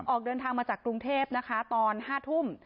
ออกเดินทางมาจากกรุงเทพนะคะตอน๕ทุ่ม